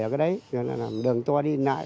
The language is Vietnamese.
ở đây đường tôi đi lại